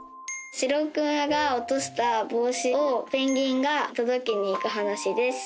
シロクマが落とした帽子をペンギンが届けに行く話です